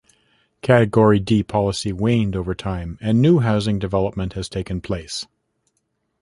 The Category D policy waned over time and new housing development has taken place.